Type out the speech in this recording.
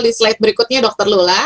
di slide berikutnya dr lula